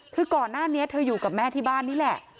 คือก่อนหน้านี้เธออยู่กับแม่ที่บ้านนี่แหละ